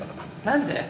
何で？